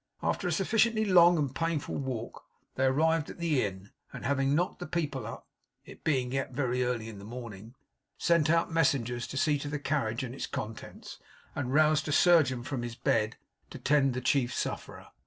After a sufficiently long and painful walk, they arrived at the Inn; and having knocked the people up (it being yet very early in the morning), sent out messengers to see to the carriage and its contents, and roused a surgeon from his bed to tend the chief sufferer.